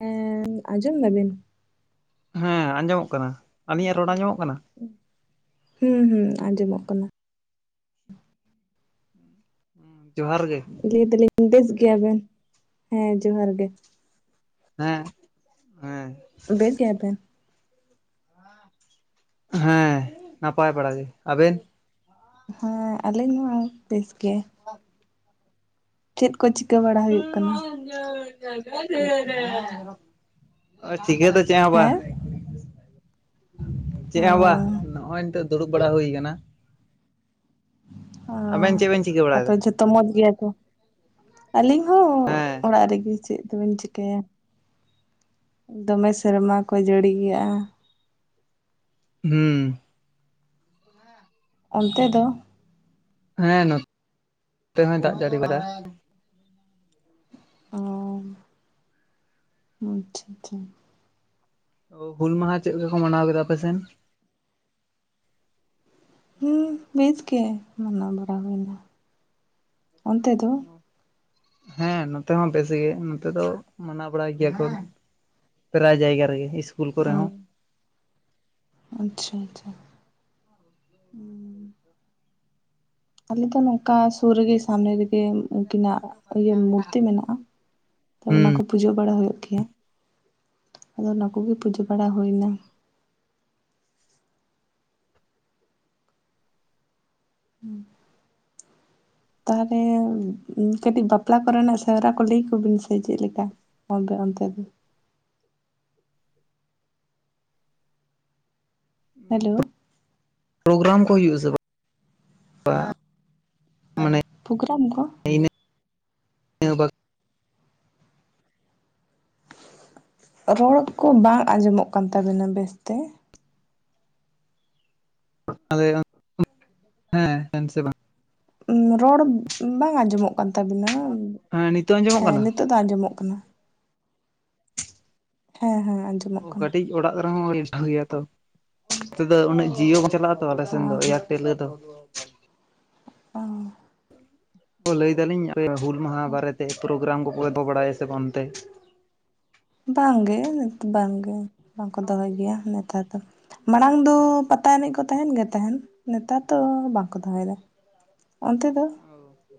ᱦᱸ ᱟᱸᱡᱚᱢ ᱮᱫᱟ ᱵᱤᱱ ᱦᱮᱸ ᱟᱸᱡᱚᱢᱚᱜ ᱠᱟᱱᱟ ᱟᱞᱤᱧᱟᱜ ᱨᱚᱲ ᱟᱸᱡᱚᱢᱚᱜ ᱠᱟᱱᱟ᱾ ᱦᱩᱸ ᱦᱩᱸ ᱟᱸᱡᱚᱢᱚᱜ ᱠᱟᱱᱟ᱾ ᱡᱚᱦᱟᱨ ᱜᱮ᱾ ᱞᱟᱹᱭ ᱭᱮᱫᱟᱞᱤᱧ ᱵᱮᱥ ᱜᱮᱭᱟᱵᱤᱱ? ᱦᱮᱸ ᱡᱚᱦᱟᱨ ᱜᱮ᱾ ᱦᱮᱸ ᱦᱮᱸ ᱵᱮᱥ ᱜᱮᱭᱟᱵᱤᱱ ᱦᱮᱸ ᱱᱟᱯᱟᱭ ᱵᱟᱲᱟ ᱜᱮ ᱟᱵᱤᱱ? ᱦᱮᱸ ᱟᱹᱞᱤᱧ ᱦᱸ ᱵᱮᱥ ᱜᱮ᱾ [inaudible] ᱪᱮᱫ ᱠᱚ ᱪᱤᱠᱟᱹ ᱵᱟᱲᱟ ᱦᱩᱭᱩᱜ ᱠᱟᱱᱟ? ᱮᱤᱸ ᱡᱚᱜᱟ ᱨᱮᱹᱨᱮ ᱟᱨ ᱴᱷᱤᱠ ᱜᱮᱭᱟ ᱫᱚ᱾ [unintelligible] ᱪᱮᱸᱵᱟ ᱦᱮᱸ ᱚ ᱪᱮᱸᱵᱟ ᱱᱚᱜᱼᱚᱭ ᱱᱤᱛᱚᱼᱜ ᱫᱩᱲᱩᱵ ᱵᱟᱲᱟ ᱦᱩᱭ ᱟᱠᱟᱱᱟ ᱦᱮᱸ ᱟᱵᱮᱱ ᱪᱮᱫ ᱵᱮᱱ ᱪᱤᱠᱟᱹ ᱚ ᱵᱟᱲᱟᱭᱮᱫᱟ ᱛᱩᱼᱭ ᱡᱚᱛ᱾ ᱛ ᱢᱚᱡᱽ ᱜᱮᱹᱭᱟ ᱠᱚ ᱟᱹᱞᱤᱧ ᱦᱚᱸ ᱦᱮᱸ ᱚᱲᱟᱜ ᱨᱮ ᱜᱮ ᱪᱮᱫ ᱫᱚᱵᱮᱱ ᱪᱤᱠᱟᱹᱭᱟ? ᱫᱚ ᱢᱮ ᱥᱮᱨᱢᱟ ᱠᱚ ᱡᱟᱹᱲᱤᱸᱭᱟᱜᱼᱟ ᱦᱮᱸ ᱚᱱᱹᱛᱮ ᱫᱚ᱾ ᱦᱮᱸ ᱱᱮᱹᱛᱮ ᱦᱚᱭ ᱫᱟᱜ ᱡᱟᱹᱲᱤ ᱠᱟᱫᱟ ᱚᱹᱢ ᱟᱼᱪᱪᱷᱟ ᱟᱼᱪᱪᱷᱟ ᱚ ᱦᱩᱞ ᱢᱟᱦᱟ ᱪᱮᱫ ᱞᱮᱠᱟ ᱠᱚ ᱢᱟᱱᱟᱣ ᱠᱮᱫᱟ ᱟᱯᱮᱥᱮᱱ? ᱦᱮᱸ ᱵᱮᱥ ᱜᱮ ᱢᱟᱱᱟᱼᱣ ᱵᱟᱚᱨᱟᱼᱣ ᱦᱩᱭᱱᱟ ᱚᱱᱛᱮ ᱫᱚ ᱦᱮᱸ [inaudible] ᱦᱮᱸ ᱱᱚᱛᱮ ᱦᱚᱸᱟᱼ ᱯᱮᱥᱤ ᱜᱮ ᱱᱚᱛᱮ ᱫᱚ ᱢᱟᱱᱟᱣ ᱵᱟᱲᱟᱭ ᱜᱮᱼᱭᱟ ᱠᱚ ᱯᱨᱟᱭ ᱡᱟᱭᱜᱼᱟ ᱨᱮᱹᱜᱮ ᱤᱥᱠᱩᱞ ᱠᱚᱨᱮ ᱦᱚᱸ ᱟᱼᱪᱷᱟ ᱟᱼᱪᱷᱟ ᱦᱮᱸ ᱟᱞ ᱫᱚ ᱱᱚᱝᱹᱠᱟ ᱥᱩᱨ ᱨᱮᱹᱜᱮ ᱥᱟᱢᱱᱜ ᱨᱮᱹᱜᱮ᱾ ᱩᱱᱠᱤᱱᱟᱼᱜ ᱤᱭᱟᱹ ᱢᱩᱨᱛᱤ ᱢᱮᱱᱟᱜᱼᱟ ᱛ ᱚᱱᱟ ᱦᱩᱸ ᱠᱚ ᱯᱩᱡᱟᱹ ᱵᱟᱲᱟ ᱦᱩᱭᱩᱜ ᱜᱮᱹᱭᱟ ᱟᱫᱚ ᱚᱱᱟ ᱠᱚᱹᱜᱮ ᱯᱩᱡᱟᱹ ᱵᱟᱹᱲᱟ ᱦᱩᱭᱹᱱᱟ ᱦᱮᱸᱝ ᱛᱟᱦᱚᱞᱮ ᱠᱟᱹᱴᱤᱡ ᱵᱟᱯᱞᱟ ᱠᱚᱹᱨᱮᱱᱟᱼᱜ ᱥᱮᱣᱨᱟ ᱠᱚ ᱞᱟᱹᱭ ᱟᱼᱠᱚᱵᱤᱱ ᱥᱮ ᱪᱮᱫᱹᱞᱮᱠᱟ? ᱟᱼᱫᱚ ᱚᱱᱛᱮ ᱫᱚ᱾ ᱦᱮᱞᱳᱹ ᱯᱨᱳᱜᱨᱼᱟᱢ ᱠᱚ ᱦᱩᱭᱩᱜᱼᱟ ᱥᱮ ᱵᱟᱝ ᱵᱚᱝ? ᱯᱨᱳᱜᱨᱼᱟᱢ ᱠᱚ ᱤᱱᱟᱹ ᱨᱚᱲ ᱠᱚ ᱵᱟᱝ ᱟᱸᱡᱚᱢᱚᱼᱜ ᱠᱟᱱ ᱛᱟᱵᱮᱱᱟ ᱵᱮᱥ ᱛᱮ [inaudible] ᱦᱮᱸᱮᱱ ᱥᱮ ᱵᱟᱝ ᱦᱮᱸ ᱨᱚᱲ ᱵᱟᱝ ᱟᱸᱡᱚᱢᱚᱼᱜ ᱠᱟᱱ ᱛᱟᱵᱤᱱᱟ ᱦᱮᱸ ᱱᱤᱛᱚᱜ ᱟᱸᱡᱚᱢᱚᱜ ᱦᱮᱸ ᱠᱟᱱᱟ ᱱᱤᱛᱚᱼᱜ ᱫᱚ ᱟᱸᱡᱚᱢᱚᱼᱜ ᱠᱟᱱᱟ ᱦᱮᱸ ᱦᱮᱸ ᱟᱸᱡᱚᱢᱚᱼᱜ ᱚ ᱠᱟᱹᱴᱤᱼᱜ ᱚᱲᱟᱼᱜ ᱠᱚ ᱨᱮᱹᱦᱚᱸ ᱜᱮᱭᱟ ᱛᱚ ᱱᱮᱹᱛᱮ ᱫᱚ ᱩᱱᱟᱹᱜ ᱡᱤᱭᱳ ᱵᱟᱝ ᱪᱟᱞᱟᱼᱜ ᱟᱛ᱾ ᱟᱞᱮ ᱥᱮᱱ ᱫᱚ ᱮᱼᱭᱟ ᱛᱤᱞᱟᱹ ᱫᱚ ᱵᱟᱝᱹᱜ ᱞᱟᱹᱭ ᱫᱟᱞᱤᱧ ᱟᱼᱯᱮ ᱦᱩᱞ ᱢᱟᱦᱟ ᱵᱟᱨᱮᱛᱮ ᱯᱨᱳᱜᱨᱟᱢ ᱠᱚᱹᱯᱮ ᱫᱚᱦᱚ ᱵᱟᱲᱟᱭᱼᱟ ᱥᱮ ᱵᱟᱝ ᱚᱱᱹᱛᱮ ᱵᱟᱝᱹᱜᱮ ᱵᱟᱝᱹᱜᱮ ᱵᱟᱝ ᱠᱚ ᱫᱚᱦᱚᱼᱭ ᱜᱮᱭᱼᱟ ᱱᱮᱛᱟᱨ ᱫᱚ ᱢᱟᱲᱟᱝ ᱫᱚ ᱯᱟᱹᱛ ᱛᱟᱭ ᱮᱱᱤᱡ ᱠᱚ ᱛᱟᱦᱮᱱ ᱜᱮ ᱛᱟᱦᱮᱱ ᱱᱮᱛᱟᱨ ᱫᱚ ᱵᱟᱝᱠᱚ ᱫᱚᱦᱚᱼᱭᱮᱫᱟ ᱚᱱᱛᱮ ᱫᱚ᱾ ᱫᱚᱦᱼᱭ ᱜᱮ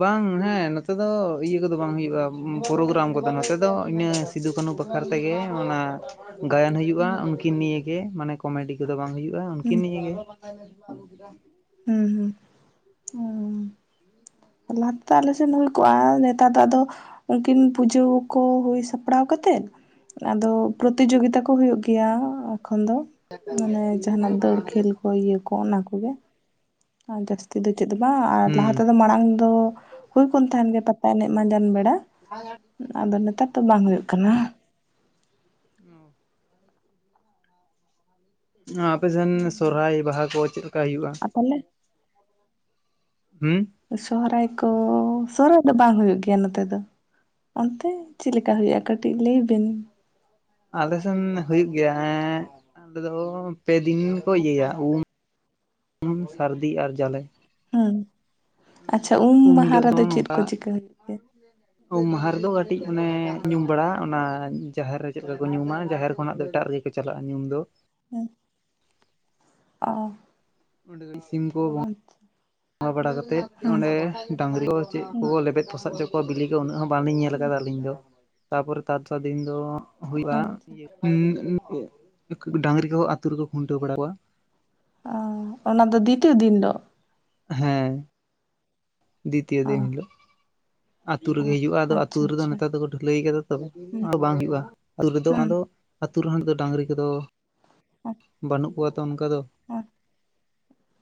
ᱵᱟᱝ ᱦᱮᱸ ᱱᱚᱛᱮ ᱫᱚ ᱤᱭᱟᱹ ᱠᱚᱹᱫᱚ ᱵᱟᱝ ᱦᱩᱭᱩᱜᱼᱟ ᱯᱨᱳᱜᱨᱟᱢ ᱠᱚᱫᱚ ᱱᱚᱛᱮ ᱫᱚ ᱤᱱᱟᱹ ᱥᱤᱫᱩ ᱠᱟᱹᱱᱩ ᱵᱟᱠᱷᱨᱟ ᱛᱮ ᱜᱮ ᱚᱱᱟᱹ ᱜᱟᱭᱟᱱ ᱦᱩᱭᱩᱜᱼᱟ ᱩᱱᱠᱤᱱ ᱱᱤᱼᱭ ᱜᱮ ᱢᱟᱱᱮ ᱠᱚᱢᱮᱰᱤ ᱠᱚᱹᱫᱚ ᱵᱟᱝ ᱦᱩᱭᱩᱜᱼᱟ ᱦᱩᱸ ᱩᱱᱠᱤᱱ ᱱᱤᱼᱭ ᱜᱮ ᱪᱮᱫ ᱢᱟᱼᱭ ᱟᱜᱩ ᱠᱮᱫᱟ᱾ [unintelligible] ᱦᱩᱸ ᱦᱩᱸ ᱢᱤᱫ ᱫᱟᱢ ᱢᱤᱫ [unintelligible] ᱞᱚᱷᱟ ᱛᱮ ᱟᱼᱞᱮ ᱥᱮᱱ ᱦᱩᱭ ᱠᱚᱜᱼᱟ ᱱᱮᱛᱟᱨ ᱫᱟᱭ ᱫᱚ᱾ ᱩᱱᱠᱤᱱ ᱯᱩᱡᱟᱼᱭᱹ ᱠᱚ ᱦᱩᱭ ᱥᱟᱯᱲᱟᱼᱣ ᱠᱟᱛᱮᱫ ᱟᱫᱚ ᱯᱨᱚᱛᱤ ᱡᱳᱜᱤᱛᱟ ᱠᱚ ᱦᱩᱭᱩᱼᱜ ᱜᱮᱹᱭᱟ ᱮᱹᱠᱷᱚᱱ ᱫᱚ ᱢᱟᱱᱮ ᱡᱟᱦᱟᱱᱟᱼᱜ ᱫᱟᱹᱲ ᱠᱷᱮᱞ ᱠᱚ ᱤᱭᱟᱹ ᱠᱚ ᱚᱱᱟ ᱠᱚᱹᱜᱮ ᱡᱟᱹᱥᱛᱤ ᱫᱚ ᱪᱮᱫ ᱫᱚ ᱵᱟᱝ ᱟᱨ ᱞᱟᱦᱟ ᱦᱩᱸ ᱛᱮᱫᱚ ᱢᱟᱹᱲᱟᱝ ᱫᱚ ᱦᱩᱭ ᱠᱟᱱ ᱛᱟᱦᱮᱱ ᱜᱮ ᱴᱚᱠᱹ ᱮᱱᱮᱡ ᱢᱟᱹᱬᱟᱢ ᱵᱮᱲᱟ ᱟᱼᱫᱚ ᱱᱮᱛᱟᱨ ᱫᱚ ᱵᱟᱝ ᱦᱩᱭᱩᱼᱜ ᱠᱟᱱᱟ ᱚ [unintelligible] ᱟᱼᱯᱮᱥᱮᱱ ᱥᱚᱨᱚᱦᱟᱼᱭ ᱵᱟᱦᱟ ᱠᱚ ᱪᱮᱫ ᱞᱮᱠᱟ ᱦᱩᱭᱩᱜᱼᱟ ᱯᱟᱞᱮ ᱦᱩᱸ ᱥᱚᱦᱨᱟᱭ ᱠᱚ ᱥᱚᱦᱨᱟᱭ ᱫᱚ ᱵᱟᱝ ᱦᱩᱭᱩᱜ ᱜᱮᱭᱟ ᱱᱚᱛᱮ ᱫᱚ ᱚᱱᱛᱮ ᱪᱮᱫ ᱞᱮᱠᱟ ᱦᱩᱭᱩᱜᱼᱟ ᱠᱟᱹᱴᱤᱡ ᱞᱟᱹᱭᱵᱤᱱ ᱟᱞᱮ ᱥᱮᱱ ᱦᱩᱭᱩᱜ ᱜᱮᱭᱟ ᱦᱮ ᱟᱞᱮ ᱫᱚ ᱯᱮᱫᱤᱱ ᱠᱚ ᱤᱭᱟᱹᱭᱟ ᱩᱢ ᱩᱢ ᱥᱟᱹᱨᱫᱤ ᱟᱨ ᱡᱟᱞᱮ ᱦᱮᱸ ᱟᱪᱪᱷᱟ ᱩᱢ ᱢᱟᱦᱟ ᱦᱤᱞᱳᱜ ᱫᱚ ᱨᱮᱫᱚ ᱪᱮᱫ ᱱᱚᱝᱠᱟ ᱠᱚ ᱪᱤᱠᱟᱹ [unintelligible] ᱩᱢ ᱢᱟᱦᱟ ᱨᱮᱫᱚ ᱠᱟᱹᱴᱤᱡ ᱚᱱᱟ ᱧᱩᱢ ᱵᱟᱲᱟ ᱚᱱᱟ ᱡᱟᱦᱮᱨ ᱨᱮ ᱪᱮᱫ ᱞᱮᱠᱟ ᱠᱚ ᱧᱩᱢᱟ ᱡᱟᱦᱮᱨ ᱠᱷᱚᱱᱟᱜ ᱫᱚ ᱮᱴᱟᱜ ᱨᱮ ᱯᱮ ᱪᱟᱞᱟᱜᱼᱟ ᱧᱩᱢ ᱫᱚ ᱦᱮᱸ ᱚ ᱚᱸᱰᱮ ᱫᱚ ᱥᱤᱢ ᱠᱚ ᱵᱟᱝᱹ ᱟᱼᱪᱷᱟ ᱵᱚᱸᱝᱜᱟ ᱵᱟᱲᱟ ᱠᱟᱛᱮᱫ ᱚᱸᱰᱮ ᱰᱟᱝᱹᱨᱤ ᱠᱚ ᱪᱮᱫ ᱠᱚ ᱦᱮᱸ ᱞᱮᱵᱮᱫ ᱯᱚᱥᱟᱜᱪᱚ ᱠᱚ ᱠᱚ ᱵᱤᱞᱤ ᱠᱚ ᱩᱱᱟᱹᱜ ᱦᱚᱸ ᱵᱟᱝᱞᱤᱧ ᱧᱮᱞ ᱟᱠᱟᱫᱟ ᱟᱹᱞᱤᱧ ᱫᱚ ᱛᱟᱯᱚᱨᱮ ᱛᱟᱸ ᱫᱚᱥᱟᱨ ᱫᱤᱱ ᱫᱚ ᱦᱩᱭᱩᱜᱼᱟ ᱟᱪᱪᱷᱟ ᱤᱭᱟᱹ ᱩᱱ ᱩᱱᱠᱩ ᱰᱟᱝᱨᱤ ᱠᱚ ᱟᱛᱩ ᱨᱮᱠᱚ ᱠᱷᱩᱱᱴᱟᱹᱣ ᱵᱟᱲᱟ ᱠᱚᱣᱟ ᱚ ᱚᱱᱟ ᱫᱚ ᱫᱤᱛᱭᱳ ᱫᱤᱱ ᱫᱚ ᱦᱮ ᱫᱤᱛᱤᱭᱚ ᱚ ᱫᱤᱱ ᱦᱤᱞᱳ ᱟᱹᱛᱩ ᱚ ᱨᱮᱜᱮ ᱦᱩᱭᱩᱜᱼᱟ ᱟᱫᱚ ᱟᱹᱛᱩ ᱟᱪᱪᱷᱟ ᱨᱮᱫᱚ ᱟᱪᱪᱷᱟ ᱱᱮᱛᱟᱨ ᱫᱚᱠᱚ ᱰᱷᱟᱹᱞᱟᱹᱭ ᱠᱟᱫᱟ ᱛᱚ ᱦᱩᱸ [inaudible] ᱵᱟᱝ ᱦᱩᱭᱩᱜᱼᱟ ᱟᱹᱛᱩ ᱨᱮᱫᱚ ᱦᱩᱸ ᱟᱫᱚ ᱟᱹᱛᱩ ᱨᱮᱦᱚ ᱫᱚ ᱰᱟᱹᱟᱝᱨᱤ ᱠᱚᱫᱚ ᱵᱟᱹᱱᱩᱜ ᱠᱚᱣᱟ ᱛᱚ ᱚᱱᱠᱟ ᱫᱚ ᱟᱨ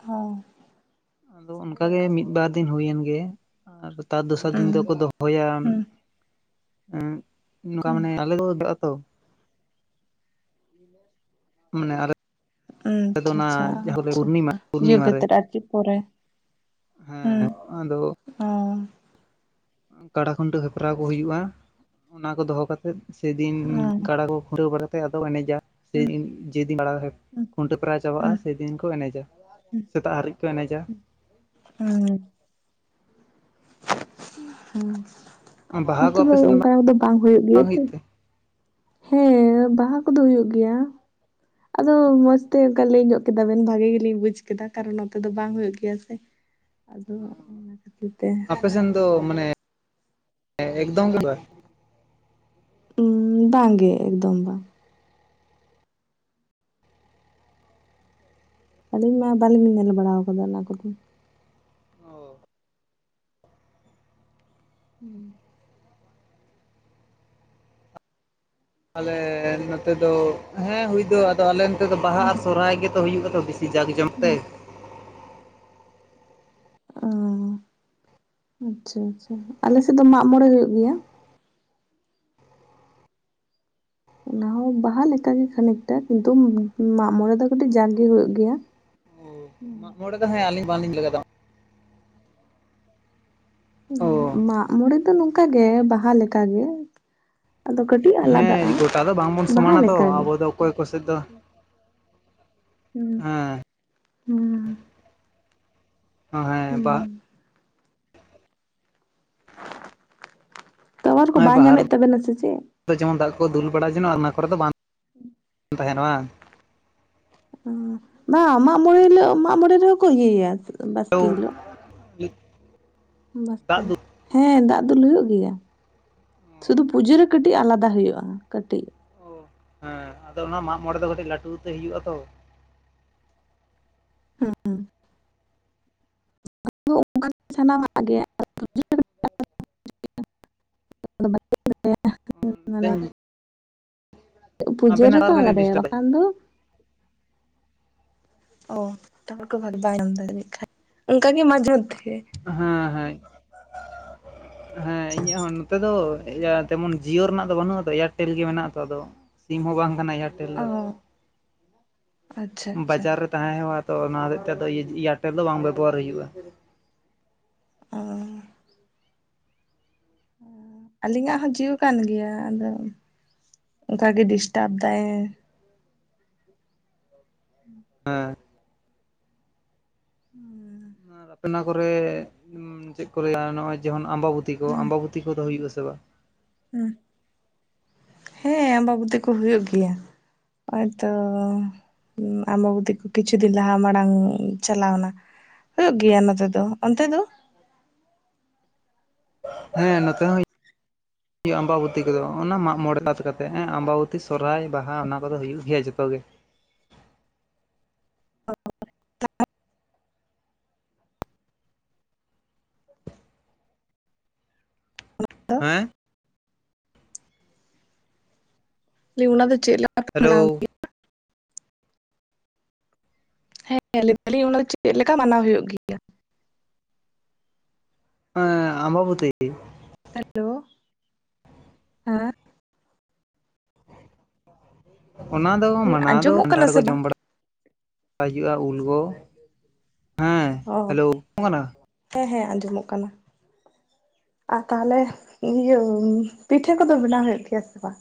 ᱦᱮ ᱟᱫᱚ ᱚᱱᱠᱟ ᱜᱮ ᱢᱤᱫ ᱵᱟᱨ ᱫᱤᱱ ᱦᱩᱭᱮᱱ ᱜᱮ ᱟᱨ ᱛᱟᱨ ᱫᱚᱥᱟᱨ ᱫᱤᱱ ᱦᱩᱸ ᱫᱚᱠᱚ ᱫᱚᱦᱚᱭᱟ ᱦᱩᱸ ᱱᱚᱠᱟ ᱢᱟᱱᱮ [inaudible] ᱢᱟᱱᱮ ᱟᱞᱮ ᱦᱩᱸ [inaudible] ᱫᱚ ᱟᱪᱪᱷᱟ ᱚᱱᱟ ᱟᱪᱪᱷᱟ ᱡᱟᱦᱟ ᱟᱪᱪᱷᱟ ᱯᱩᱨᱱᱤᱢᱟ ᱤᱭᱟᱹ ᱯᱩᱨᱱᱤᱢᱟ ᱨᱮ ᱠᱟᱛᱮᱫ ᱟᱨᱠᱤ ᱯᱚᱨᱮ ᱦᱩᱸ ᱦᱮᱻ ᱟᱫᱚ [unintelligible] ᱠᱟᱲᱟ ᱠᱷᱩᱱᱴᱟᱹᱣ ᱦᱮᱯᱨᱟᱣ ᱠᱚ ᱦᱩᱭᱩᱜᱼᱟ ᱚᱱᱟ ᱠᱚ ᱫᱚᱦᱚ ᱠᱟᱛ ᱥᱮᱫ ᱥᱮᱫᱤᱱ ᱜᱟᱰᱟ ᱱᱚᱛᱮ ᱠᱚ ᱠᱷᱩᱱᱴᱟᱹᱣ ᱵᱟᱲᱟ ᱛᱮ ᱟᱫᱚ ᱮᱱᱮᱡᱟ [unintelligible] ᱠᱷᱩᱱᱴᱟᱹᱣ ᱯᱮᱨᱲᱟ ᱪᱟᱵᱟᱜᱼᱟ ᱥᱮᱫᱤᱱ ᱠᱚ ᱮᱱᱮᱡᱟ ᱥᱮᱛᱟᱜ ᱦᱟᱹᱨᱤᱡ ᱠᱚ ᱮᱱᱮᱡᱟ ᱦᱩᱸ [inaudible] ᱦᱩ ᱵᱟᱦᱟ ᱠᱚ ᱱᱚᱛᱮ ᱟᱯᱮ ᱫᱚ ᱥᱮᱫ ᱚᱱᱠᱟ ᱠᱚᱫᱚ ᱵᱟᱝ ᱦᱩᱭᱩᱜ ᱜᱮᱭᱟ ᱵᱟᱝ ᱛᱚ ᱛᱮ ᱦᱮᱸ ᱵᱟᱦᱟ ᱠᱚᱫᱚ ᱦᱩᱭᱩᱜ ᱜᱮᱭᱟ ᱟᱫᱚ ᱢᱚᱸᱡᱽᱛᱮ ᱚᱱᱠᱟ ᱞᱟᱹᱭ ᱧᱚᱜ ᱠᱮᱫᱟ ᱵᱮᱱ ᱵᱷᱟᱜᱤ ᱜᱮᱞᱤᱧ ᱵᱩᱡᱽ ᱠᱮᱫᱟ ᱠᱟᱨᱚᱱ ᱱᱚᱛᱮ ᱫᱚ ᱵᱟᱝ ᱦᱩᱭᱩᱜ ᱜᱮᱭᱟ ᱥᱮ ᱟᱫᱚ ᱚᱱᱟ ᱠᱷᱟᱹᱛᱤᱨ ᱛᱮ ᱟᱞᱮᱥᱮᱱ ᱫᱚ ᱢᱟᱱᱮ [inaudible] ᱮᱠᱫᱚᱢ ᱜᱮᱵᱟᱝ ᱩ ᱵᱟᱝ ᱜᱮ ᱮᱠᱫᱚᱢ ᱵᱟ ᱟᱹᱞᱤᱧ ᱢᱟ ᱵᱟᱹᱞᱤᱧ ᱢᱮᱱ ᱵᱟᱲᱟ ᱠᱟᱫᱟ ᱚᱱᱟ ᱠᱚᱫᱚ ᱚ ᱦᱩ ᱟᱞᱮ ᱱᱚᱛᱮ ᱫᱚ ᱦᱮᱸ ᱦᱩᱭ ᱫᱚ ᱟᱫᱚ ᱟᱞᱮ ᱱᱚᱛᱮ ᱫᱚ ᱵᱟᱦᱟ ᱟᱨ ᱥᱚᱨᱦᱟᱭ ᱜᱮᱫᱚ ᱦᱩᱭᱩᱜᱼᱟ ᱛᱚ ᱵᱤᱥ ᱡᱟᱜ ᱡᱚᱢᱚᱠ ᱛᱮ ᱚ ᱟᱪᱪᱷᱟ ᱟᱪᱪᱷᱟ ᱟᱞᱮᱥᱮᱫ ᱫᱚ ᱢᱟᱜᱢᱚᱬᱮ ᱦᱩᱭᱩᱜ ᱜᱮᱭᱟ ᱚᱱᱟᱦᱚᱸ ᱵᱟᱦᱟ ᱞᱮᱠᱟᱜᱮ ᱠᱷᱟᱱᱮᱠᱴᱟ ᱠᱤᱱᱛᱩ ᱢᱟᱜᱢᱬᱮ ᱫᱚ ᱠᱟᱹᱴᱤᱡ ᱡᱟᱸᱠ ᱜᱮ ᱦᱩᱭᱩᱜ ᱜᱮᱭᱟ ᱦᱳ ᱢᱟᱜ ᱢᱚᱬᱮ ᱫᱚ ᱦᱮᱸ ᱟᱹᱞᱤᱧ ᱵᱟᱝᱞᱤᱧ [unintelligible] ᱚ ᱢᱟᱜ ᱢᱚᱬᱮ ᱫᱚ ᱱᱚᱝᱠᱟᱜᱮ ᱵᱟᱦᱟ ᱞᱮᱠᱟᱜᱮ ᱟᱫᱚ ᱠᱟᱹᱴᱤᱡ ᱟᱞᱟᱫᱟᱜᱼᱟ ᱦᱮᱸ ᱵᱟᱦᱟ ᱞᱮᱠᱟᱜᱮ ᱠᱚᱭ ᱠᱚ ᱥᱮᱫ ᱫᱟ ᱦᱩ ᱦᱩᱸ ᱦᱮᱸ ᱵᱟ ᱦᱩᱸ ᱛᱚᱣᱟᱨ ᱠᱚ ᱵᱟᱭ ᱵᱟᱦᱟ ᱧᱟᱢᱮᱫ ᱛᱟᱵᱮᱱᱟ ᱥᱮ ᱪᱮᱫ ᱡᱮᱢᱚᱱ ᱫᱟᱜ ᱠᱚ ᱫᱩᱞ ᱵᱟᱲᱟ ᱡᱮᱱᱚ ᱚᱱᱟ ᱠᱚᱨᱮ ᱫᱚ ᱵᱟᱝ [inaudible] ᱛᱟᱦᱮᱱ ᱵᱟᱝ ᱵᱟᱝ ᱢᱟᱜ ᱢᱚᱬᱮᱸ ᱦᱤᱞᱳᱜ ᱢᱟᱜ ᱢᱚᱬᱮᱸ ᱨᱮᱦᱚᱸ ᱠᱚᱤᱭᱟ ᱵᱟᱥᱠᱮ ᱦᱤᱞᱳᱜ ᱫᱟᱜ ᱫᱩᱞ [unintelligible] ᱦᱮᱸ ᱫᱟᱜ ᱫᱩᱞ ᱦᱩᱭᱩᱜ ᱜᱮᱭᱟ ᱥᱩᱫᱩ ᱯᱩᱡᱟᱹᱨᱮ ᱠᱟᱹᱴᱤᱡ ᱟᱞᱟᱫᱟ ᱦᱩᱭᱩᱜᱼᱟ ᱠᱟᱹᱴᱤᱡ ᱚᱼᱼ ᱦᱮᱸ ᱟᱫᱚ ᱚᱱᱟ ᱢᱟᱜ ᱢᱚᱬᱮᱸ ᱫᱚ ᱠᱟᱹᱴᱤᱡ ᱞᱟᱹᱴᱩᱛᱮ ᱦᱤᱡᱩᱜᱼᱟ ᱛᱚ [inaudible] [unintelligible] ᱟᱫᱚ ᱚᱱᱠᱟ ᱥᱟᱱᱟᱢᱟᱜ [unintelligible] [inaudible] [inaudible] ᱯᱩᱡᱟᱹ ᱟᱵᱮᱱᱟᱜ ᱨᱮᱠᱚ ᱴᱟᱣᱟᱨ ᱠᱟᱹᱴᱤᱡ ᱟᱞᱟᱫᱟᱭᱟ ᱰᱤᱥᱴᱟᱵ ᱫᱟᱭ ᱵᱟᱠᱷᱟᱱ ᱫᱚ ᱚ ᱛᱟᱨᱯᱟ ᱠᱚ [unintelligible] ᱠᱷᱟᱱᱡ ᱚᱱᱠᱟᱜ ᱜᱮ ᱢᱟᱡᱷ ᱢᱚᱫᱫᱷᱮ ᱦᱮᱸ ᱦᱮᱸ ᱦᱮᱸ ᱤᱧᱟᱹᱜ ᱦᱚᱸ ᱱᱚᱛᱮ ᱫᱚ ᱤᱭ ᱛᱮᱢᱚᱱ ᱡᱤᱭᱳ ᱨᱮᱱᱟᱜ ᱫᱚ ᱵᱟᱹᱱᱩᱜ ᱟᱛᱚ ᱮᱭᱟᱨᱴᱮᱞ ᱜᱮ ᱢᱮᱱᱟᱜ ᱟᱛᱚ ᱟᱫᱚ ᱥᱤᱢ ᱦᱚᱸ ᱵᱟᱝ ᱠᱟᱱᱟ ᱮᱭᱟᱨᱴᱮᱞ ᱚ ᱫᱚ ᱟᱪᱪᱷᱟ ᱟᱪᱪᱷᱟ ᱵᱟᱡᱟᱨ ᱨᱮ ᱛᱟᱦᱮᱸ ᱦᱩᱭᱩᱜᱼᱟ ᱛᱚ ᱚᱱᱟ ᱦᱚᱛᱮᱡ ᱛᱮ ᱮᱭᱟᱨᱴᱮᱞ ᱫᱚ ᱵᱟᱝ ᱵᱮᱵᱚᱦᱟᱨ ᱦᱩᱭᱩᱜᱼᱟ [unintelligible] ᱟᱹᱞᱤᱧᱟᱜ ᱦᱚᱸ ᱡᱤᱣᱤ ᱠᱟᱱ ᱜᱮᱭᱟ ᱟᱫᱚ ᱚᱱᱠᱟᱜ ᱜᱮ ᱰᱤᱥᱴᱟᱵᱽ ᱫᱟᱭ ᱦᱮᱸ [unintelligible] ᱟᱯᱮᱱᱟ ᱠᱚᱨᱮ ᱪᱮᱫ ᱠᱚ ᱞᱟᱹᱭᱟ ᱱᱚᱜᱚᱭ ᱡᱮᱢᱚᱱ ᱟᱢᱵᱟᱵᱩᱛᱤ ᱠᱚ ᱦᱩᱸ ᱟᱢᱵᱟᱵᱩᱛᱤ ᱯᱩᱛᱷᱤ ᱠᱚᱫᱚ ᱦᱩᱭᱩᱜᱼᱟᱥ ᱥᱮ ᱵᱟᱝ ᱦᱮᱸ ᱦᱮᱸ ᱟᱢ ᱵᱟᱵᱚᱛᱤ ᱠᱚ ᱦᱩᱭᱩᱜ ᱜᱮᱭᱟ ᱦᱛᱚ ᱟᱢᱵᱟᱵᱚᱛᱤ ᱠᱚ ᱠᱤᱪᱷᱩ ᱫᱤᱱ ᱞᱟᱦᱟ ᱢᱟᱲᱟᱝ ᱪᱟᱞᱟᱣᱱᱟ ᱦᱩᱭᱩᱜ ᱜᱮᱭᱟ ᱱᱚᱛᱮ ᱫᱚ ᱚᱱᱛᱮ ᱫᱚ ᱦᱮᱸ ᱱᱚᱛᱮ ᱦᱚᱸ ᱦᱩᱭᱩᱜ ᱟᱢᱵᱟᱵᱚᱛᱤ ᱠᱚᱫᱚ ᱚᱱᱟ ᱢᱟᱜ ᱢᱚᱬᱮ ᱵᱟᱫ ᱠᱟᱛᱮᱫ ᱟᱢᱵᱟᱵᱛᱤ ᱥᱚᱨᱦᱟᱭ ᱵᱟᱦᱟ ᱚᱱᱟ ᱠᱚᱫᱚ ᱦᱩᱭᱩᱜ ᱜᱮᱭᱟ ᱡᱚᱛᱚ ᱜᱮ ᱦᱮᱸ ᱚᱱᱟ ᱫᱚ ᱪᱮᱫ ᱞᱟ ᱠᱷ ᱦᱮᱞᱳ [unintelligible] ᱦᱮᱸ ᱞᱟᱹᱭ ᱮᱟᱞᱤᱧ ᱚᱱᱟ ᱫᱚ ᱪᱮᱫ ᱞᱮᱠᱟ ᱢᱟᱱᱟᱣ ᱦᱩᱭᱩᱜ ᱜᱮ ᱦᱮ ᱟᱢᱵᱟᱵᱩᱛᱤ ᱦᱮᱞᱳ ᱦᱮᱸ ᱚᱱᱟ ᱫᱚ ᱢᱟᱱᱟ ᱫᱚ ᱟᱸᱡᱚᱢᱚᱜ ᱠᱟᱱᱟ ᱠᱟᱱᱴᱷᱟᱲ ᱥᱮ ᱠᱚ ᱡᱚᱢ ᱵᱟᱝ ᱵᱟᱲᱟ ᱦᱩᱭᱩᱜᱼᱟ ᱩᱞ ᱜᱚ ᱚ ᱠᱟᱱᱟ? ᱦᱮᱸ ᱦᱮᱸ ᱟᱸᱡᱚᱢᱚᱜ ᱠᱟᱱᱟ ᱟᱨ ᱛᱟᱦᱚᱞᱮ ᱤᱭᱟᱹ ᱯᱤᱴᱷᱟᱹ ᱠᱚᱫᱚ ᱵᱮᱱᱟᱣ ᱦᱩᱭᱩᱜ ᱜᱮᱭᱟ ᱥᱮ ᱵᱟᱝ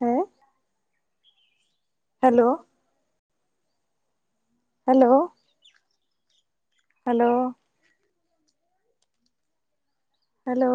ᱦᱮᱸ ᱦᱮᱞᱳ ᱦᱮᱞᱳ ᱦᱮᱞᱳ ᱦᱮᱞᱳ